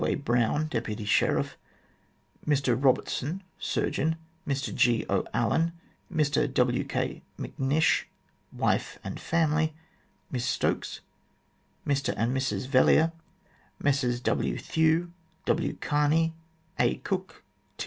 A. Brown, Deputy Sheriff; Mr Eobertson, Surgeon ; Mr G. 0. Allen ; Mr W. K. Macnish, wife, and family ; Miss Stokes, Mr and Mrs Vellier, Messrs W. Thew, W. Carney, A. Cook, T.